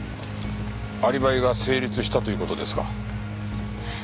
アリバイが成立したという事ですか？